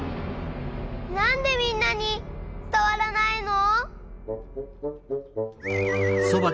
なんでみんなにつたわらないの！？